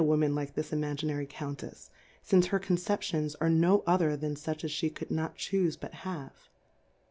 nan like this imaginary Countefs, fnce her Concepions are no other than fuch as fhe could not chufc hut have